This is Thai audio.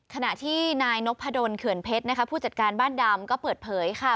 ขณะที่นายนพดลเขื่อนเพชรนะคะผู้จัดการบ้านดำก็เปิดเผยค่ะ